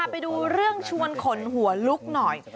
ไปดูเรื่องชวนขนหัวลุกหน่อย